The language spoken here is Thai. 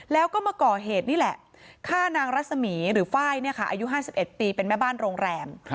แล้วก็มาก่อเหตุนี่แหละฆ่านางรัศมีร์หรือไฟล์อายุ๕๑ปีเป็นแม่บ้านโรงแรม